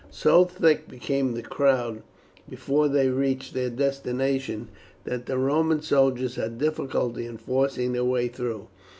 So thick became the crowd before they reached their destination, that the Roman soldiers had difficulty in forcing their way through.